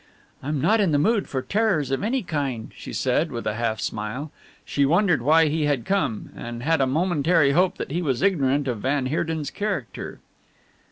"I'm not in the mood for terrors of any kind," she said, with a half smile. She wondered why he had come, and had a momentary hope that he was ignorant of van Heerden's character.